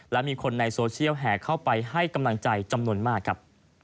และมีคนในโซเชียลแห่เข้าไปให้กำลังใจจำนวนมากครับ